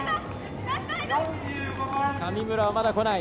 神村は、まだこない。